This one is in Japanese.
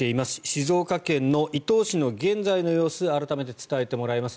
静岡県伊東市の現在の様子改めて伝えてもらいます。